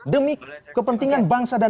demi kepentingan bangsa dan